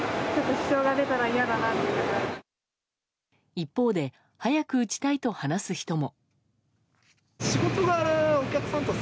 一方で早く打ちたいと話す人も。